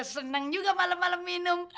senang juga malem malem minum